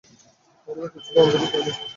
আমি কিছুই প্রমান করতে চাই না!